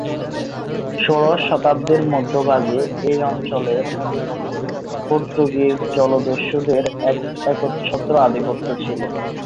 ষোড়শ শতাব্দীর মধ্যভাগে এই অঞ্চলের নদীপথে পর্তুগিজ জলদস্যুদের একচ্ছত্র আধিপত্য ছিল।